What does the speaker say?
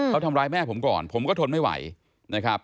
เขาทำร้ายแม่ผมก่อนผมก็ทนไม่ไหวนะครับ